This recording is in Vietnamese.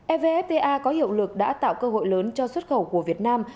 evfta có hiệu lực đã tạo cơ hội lớn cho xuất khẩu của việt nam